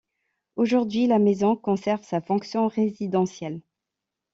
Aujourd'hui, la maison conserve sa fonction résidentielle.